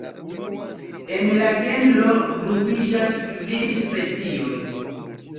En la genro grupiĝas kvin specioj.